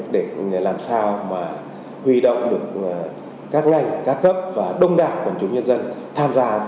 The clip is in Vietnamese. để làm sao mà huy động được các ngành các cấp và đông đảo quần chúng nhân dân tham gia